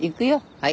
はい。